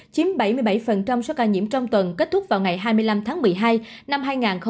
chiếm bảy mươi bảy số ca nhiễm trong tuần kết thúc vào ngày hai mươi năm tháng một mươi hai năm hai nghìn hai mươi ba